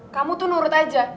kamu tuh nurut aja